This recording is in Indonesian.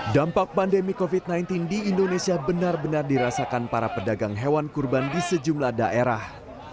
dampak pandemi covid sembilan belas di indonesia benar benar dirasakan para pedagang hewan kurban di sejumlah daerah